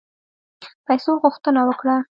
پیسو غوښتنه وکړه.